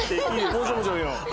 もちろんもちろんいいのよ。